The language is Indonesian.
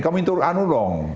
kamu itu anu dong